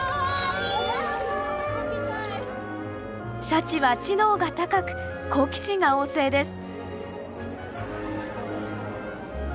シャチは知能が高く好奇心が旺盛です。